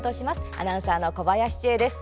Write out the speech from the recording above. アナウンサーの小林千恵です。